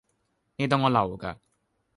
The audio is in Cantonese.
你當我流㗎